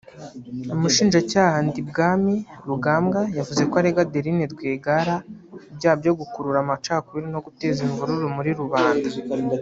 umushinjacyaha Ndibwami Rugambwa yavuze ko arega Adeline Rwigara ibyaha byo gukurura amacakubiri no guteza imvururu muri rubanda